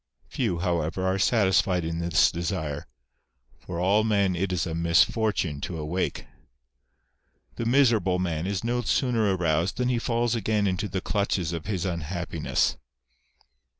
Few, however, are satisfied in this desire ; for all men it is a misfortune to awake. The miserable man is no sooner aroused than he falls again into the clutches of his unhappiness.